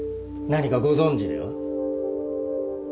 何かご存じでは？